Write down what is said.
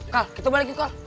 kal kita balik yuk kal